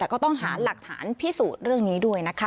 ก็ต้องหาหลักฐานพิสูจน์เรื่องนี้ด้วยนะคะ